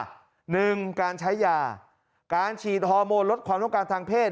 หนึ่งการใช้ยาการฉีดฮอร์โมนลดความต้องการทางเพศ